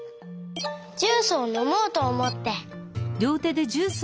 ジュースをのもうとおもって。